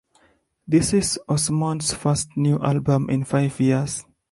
This is Osmond's first new album in five years.